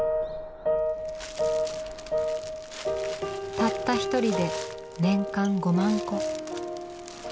たった一人で年間５万個。